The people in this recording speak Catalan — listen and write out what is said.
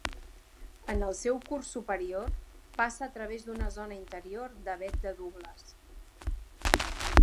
En el seu curs superior, passa a través d'una zona interior d'avet de Douglas.